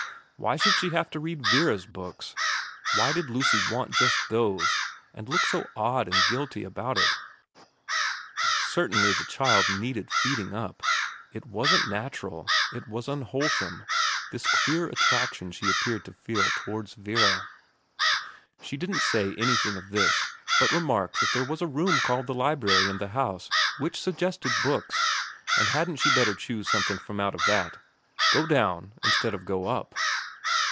Why should she have to read Vera's books ? Why did Lucy want just those, and look so odd and guilty about it ? Certainly the child needed feeding up. It wasn't natural, it was unwholesome, this queer attraction she appeared to feel towards Vera. She didn't say anything of this, but remarked that there was a room called the library in the house which VERA 329 suggested books, and hadn't she better choose some thing from out of that, go down, instead of go up.